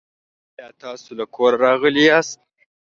آیا تاسو له کوره راغلي یاست؟